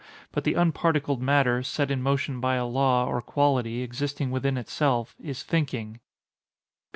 But the unparticled matter, set in motion by a law, or quality, existing within itself, is thinking.